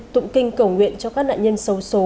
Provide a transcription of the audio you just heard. tụng kinh cầu nguyện cho các nạn nhân sâu số